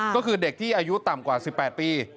ก็คือเด็กที่อายุต่ำกว่า๑๘ปี